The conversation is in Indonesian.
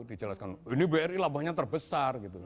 dijelaskan ini bri labahnya terbesar gitu